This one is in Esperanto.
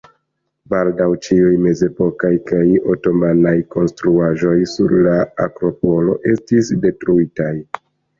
Baldaŭ ĉiuj mezepokaj kaj otomanaj konstruaĵoj sur la Akropolo estis detruitaj.